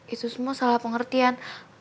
itu semua salah pengertian